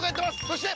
そして。